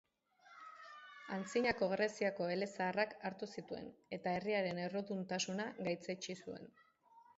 Antzinako Greziako elezaharrak hartu zituen, eta herriaren erruduntasuna gaitzetsi zuen.